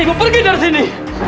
ibu gak pernah lakuin ini